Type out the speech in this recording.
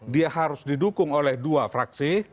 dia harus didukung oleh dua fraksi